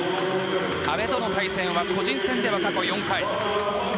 阿部との対戦は個人戦では過去４回。